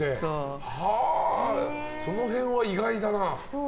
その辺は意外だな。